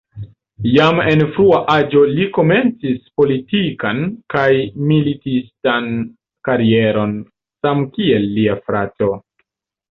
Jam en frua aĝo li komencis politikan kaj militistan karieron samkiel lia frato.